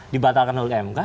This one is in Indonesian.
dibatalkan oleh mk